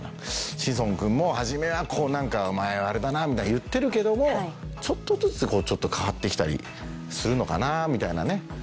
志尊君も初めは「お前はあれだな」みたいに言ってるけどもちょっとずつ変わって来たりするのかなみたいなね。